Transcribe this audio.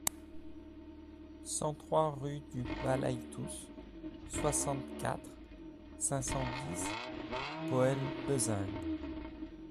cent trois rue du Balaïtous, soixante-quatre, cinq cent dix, Boeil-Bezing